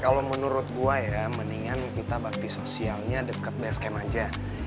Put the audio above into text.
kalau menurut gue ya mendingan kita bakti sosialnya deket base camp aja